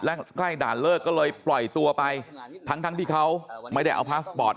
แล้วก็ใกล้เริ่มด่านเลิกก็ปล่อยตัวไปทั้งที่เขาไม่ได้เอาพัสบอร์ต